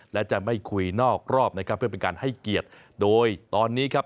และจะไม่คุยนอกรอบนะครับเพื่อเป็นการให้เกียรติโดยตอนนี้ครับ